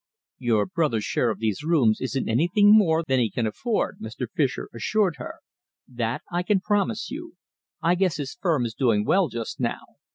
"Your brother's share of these rooms isn't anything more than he can afford," Mr. Fischer assured her. "That I can promise you. I guess his firm is doing well just now.